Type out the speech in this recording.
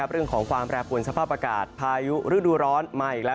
เรื่องของความแปรปวนสภาพอากาศพายุฤดูร้อนมาอีกแล้ว